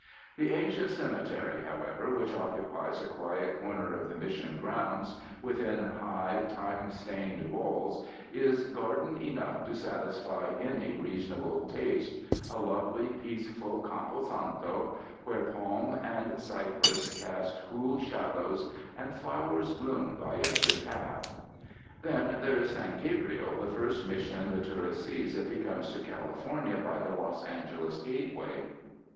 The ancient cemetery, however, which occupies a quiet corner of the Mission grounds within high, time stained walls, is garden enough to satisfy any reasonable taste — a lovely, peaceful campo santo where palm and cypress cast cool shadows and flow ers bloom by every path. Then there is San Gabriel, the first Mission the tourist sees if he comes to California by the Los Angeles gateway.